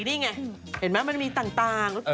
นี่ไงเห็นไหมมันมีต่าง